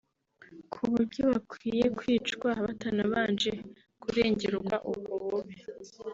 ku buryo bakwiriye kwicwa (batanabanje kuregerwa ubwo bubi